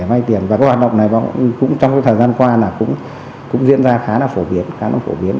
và các hoạt động này trong thời gian qua cũng diễn ra khá là phổ biến